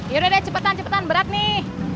yaudah deh cepetan cepatan berat nih